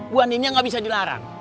bu andinnya gak bisa dilarang